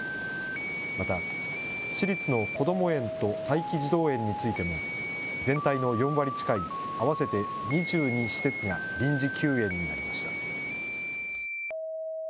また、市立のこども園と待機児童園についても、全体の４割近い合わせて２２施設が臨時休園になりました。